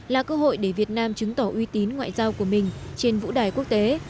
là cơ hội để việt nam chứng tỏ uy tín ngoại giao của mình trên vũ đài quốc tế